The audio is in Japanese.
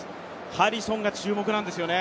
ハリソンが注目なんですよね。